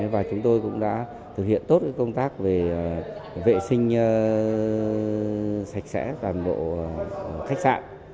và chúng tôi cũng đã thực hiện tốt công tác về vệ sinh sạch sẽ toàn bộ khách sạn